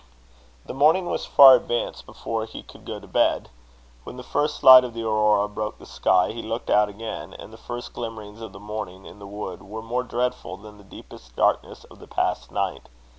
The morning was far advanced before he could go to bed. When the first light of the aurora broke the sky, he looked out again; and the first glimmerings of the morning in the wood were more dreadful than the deepest darkness of the past night.